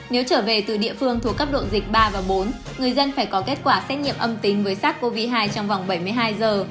nếu trở về từ địa phương thuộc cấp độ dịch ba và bốn người dân phải có kết quả xét nghiệm âm tính với sars cov hai trong vòng bảy mươi hai giờ